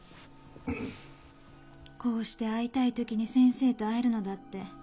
こうして会いたい時に先生と会えるのだって